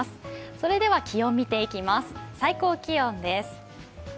それでは気温を見ていきます、最高気温です。